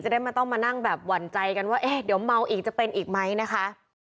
ได้ไม่ต้องมานั่งแบบหวั่นใจกันว่าเอ๊ะเดี๋ยวเมาอีกจะเป็นอีกไหมนะคะ